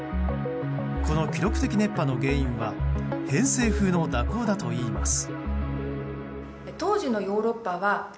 この記録的熱波の原因は偏西風の蛇行だといいます。